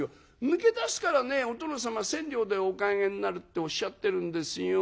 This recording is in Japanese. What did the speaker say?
抜け出すからねお殿様千両でお買い上げになるっておっしゃってるんですよ。